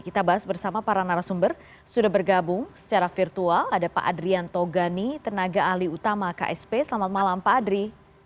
kita bahas bersama para narasumber sudah bergabung secara virtual ada pak adrian togani tenaga ahli utama ksp selamat malam pak adri